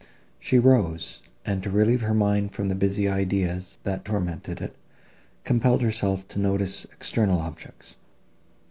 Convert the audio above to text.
She rose, and, to relieve her mind from the busy ideas, that tormented it, compelled herself to notice external objects.